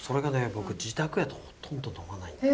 僕自宅やとほとんど呑まないんです。